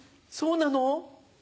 そうなの？